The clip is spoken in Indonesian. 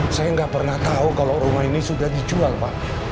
saya nggak pernah tahu kalau rumah ini sudah dijual pak